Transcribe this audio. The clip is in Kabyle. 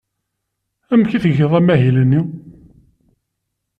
Amek i tgiḍ amahil-nni?